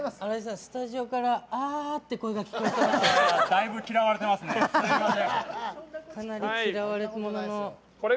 スタジオからあって声が聞こえたんですが。